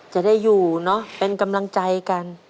จะได้อยู่เนอะเป็นกำลังใจกัน